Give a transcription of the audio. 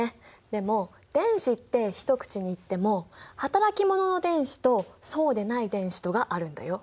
でも電子って一口に言っても働き者の電子とそうでない電子とがあるんだよ。